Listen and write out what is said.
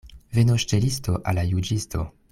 Venos ŝtelisto al la juĝisto.